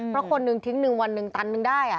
เพราะคนนึงทิ้งหนึ่งวันหนึ่งตันหนึ่งได้